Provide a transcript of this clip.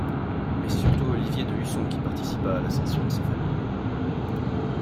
Mais c'est surtout Olivier de Husson qui participa à l'ascension de sa famille.